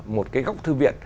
một cái góc thư viện